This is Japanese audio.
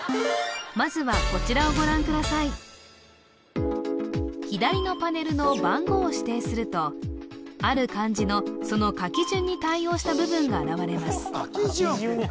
まずは左のパネルの番号を指定するとある漢字のその書き順に対応した部分が現れます